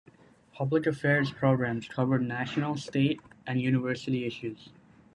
Public Affairs programs covered national, state and University issues.